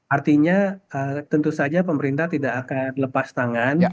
artinya tentu saja pemerintah tidak akan lepas tangan